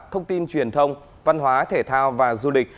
thông tin truyền thông văn hóa thể thao và du lịch